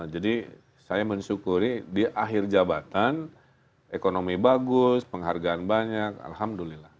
jadi saya mensyukuri di akhir jabatan ekonomi bagus penghargaan banyak alhamdulillah